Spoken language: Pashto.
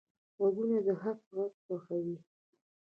غوږونه د حق غږ خوښوي